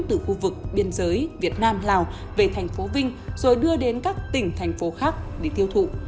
từ khu vực biên giới việt nam lào về thành phố vinh rồi đưa đến các tỉnh thành phố khác để tiêu thụ